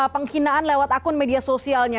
penghinaan lewat akun media sosialnya